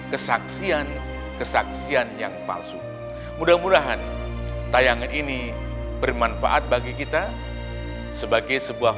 kesaksian kesaksian yang palsu mudah mudahan tayangan ini bermanfaat bagi kita sebagai sebuah